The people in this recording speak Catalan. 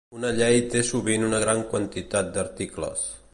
Una llei té sovint una gran quantitat d'articles.